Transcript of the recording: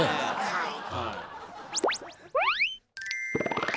はい！